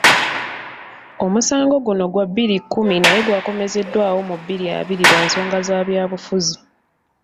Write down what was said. Omusango guno gwa bbiri kkumi naye gwakomezeddwawo mu bbiri abiri lwa nsonga za byabufuzi.